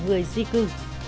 người di cư